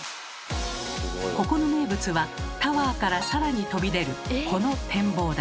ここの名物はタワーから更に飛び出るこの展望台。